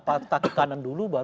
patah ke kanan dulu baru